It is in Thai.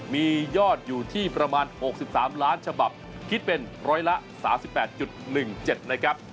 มียอดอยู่ที่ประมาณหกสิบสามล้านฉบับคิดเป็นร้อยละสามสิบแปดจุดหนึ่งเจ็ดนะครับ